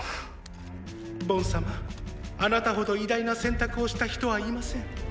ボン様あなたほど偉大な選択をした人はいません。